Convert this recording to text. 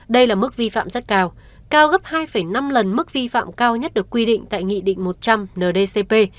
đây là mức vi phạm rất cao cao gấp hai năm lần mức vi phạm cao nhất được quy định tại nghị định một trăm linh ndcp